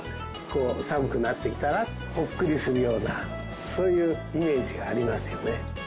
こう寒くなってきたらほっくりするようなそういうイメージがありますよね。